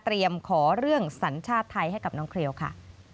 ขอเรื่องสัญชาติไทยให้กับน้องเครียวค่ะ